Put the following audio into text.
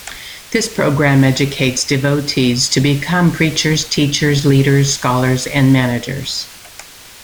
This program educates devotees to become preachers, teachers, leaders, scholars, and managers.